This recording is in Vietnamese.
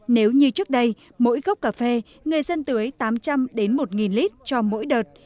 nếu như trước đây mỗi gốc cà phê người dân tưới tám trăm linh đến một lít cho mỗi đợt